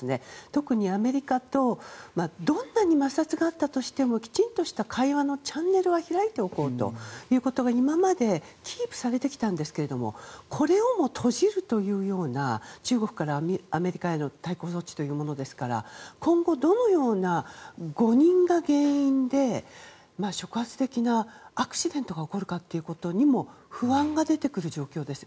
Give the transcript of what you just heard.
特にアメリカとどんなに摩擦があったとしてもきちんとした会話のチャンネルを開いておこうということは今までキープされてきたんですけれどもこれをも閉じるというような中国からアメリカへの対抗措置というものですから今後どのような誤認が原因で触発的なアクシデントが起こるかという不安も出てくる状況です。